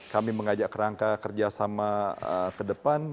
kami mengajak rangka kerjasama ke depan